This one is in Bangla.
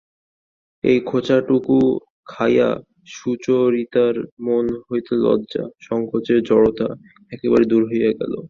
এই খোঁচাটুকু খাইয়া সুচরিতার মন হইতে লজ্জা-সংকোচের জড়তা একেবারে দূর হইয়া গেল।